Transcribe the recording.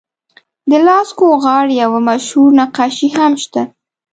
د لاسکو غار یوه مشهور نقاشي هم شته.